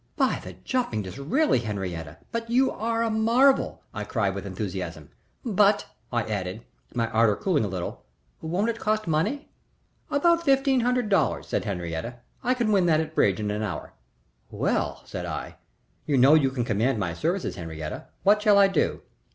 "By the jumping Disraeli, Henriette, but you are a marvel!" I cried, with enthusiasm. "But," I added, my ardor cooling a little, "won't it cost money?" "About fifteen hundred dollars," said Henriette. "I can win that at bridge in an hour." "Well," said I, "you know you can command my services, Henriette. What shall I do?"